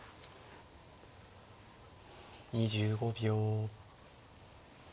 ２５秒。